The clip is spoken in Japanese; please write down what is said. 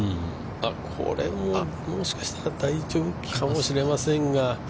これももしかしたら大丈夫かもしれませんが。